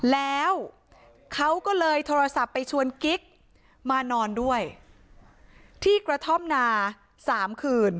แล้วเขาก็เลยโทรศัพท์ไปชวนกิ๊กมานอนด้วยที่กระท่อมนา๓คืน